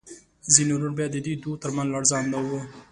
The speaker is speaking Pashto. ځینې نور بیا د دې دوو تر منځ لړزانده وو.